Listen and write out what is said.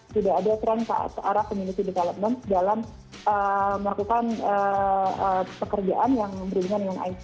sudah ada tren ke arah community development dalam melakukan pekerjaan yang berhubungan dengan it